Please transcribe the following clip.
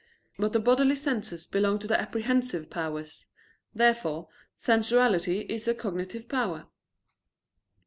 But the bodily senses belong to the apprehensive powers. Therefore sensuality is a cognitive power.